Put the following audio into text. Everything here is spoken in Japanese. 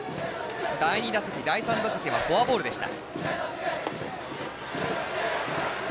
第２打席、第３打席はフォアボールでした。